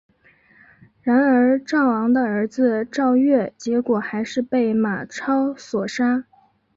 然而赵昂的儿子赵月结果还是被马超所杀。